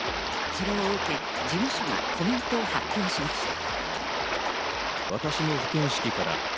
それを受け、事務所がコメントを発表しました。